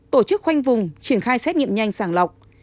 tổ chức khoanh vùng triển khai xét nghiệm nhanh sàng lọc